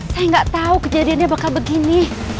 saya nggak tahu kejadiannya bakal begini